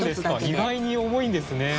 意外に重いんですね。